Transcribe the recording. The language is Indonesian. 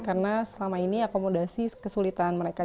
karena selama ini akomodasi kesulitan mereka